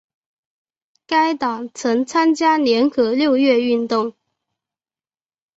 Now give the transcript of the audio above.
该党曾参加联合六月运动。